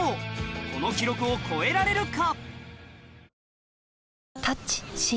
この記録を超えられるか？